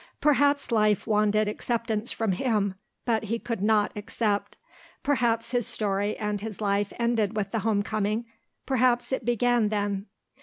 Perhaps life wanted acceptance from him, but he could not accept. Perhaps his story and his life ended with the home coming, perhaps it began then.